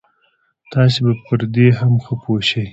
تاسې به پر دې هم ښه پوه شئ.